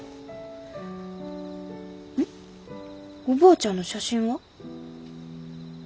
おばあちゃんの写真は？